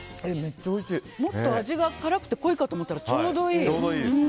もっと味が辛くて濃いかと思ったらちょうどいい！